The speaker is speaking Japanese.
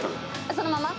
そのまま？